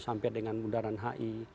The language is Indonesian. sampai dengan bundaran hi